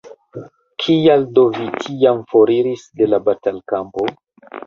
Kial do vi tiam foriris de la batalkampo?